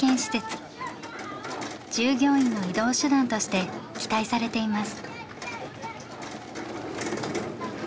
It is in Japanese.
従業員の移動手段として期待されています。